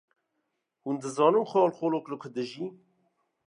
Hûn dizanin xalxalok li ku dijî?